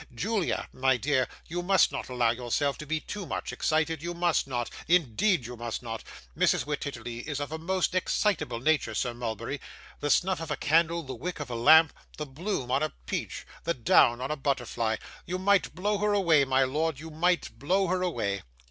Julia, my dear, you must not allow yourself to be too much excited, you must not. Indeed you must not. Mrs. Wititterly is of a most excitable nature, Sir Mulberry. The snuff of a candle, the wick of a lamp, the bloom on a peach, the down on a butterfly. You might blow her away, my lord; you might blow her away.